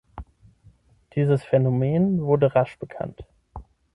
Dieses Phänomen wurde rasch bekannt.